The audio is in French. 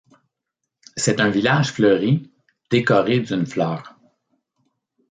C’est un village fleuri décoré d’une fleur.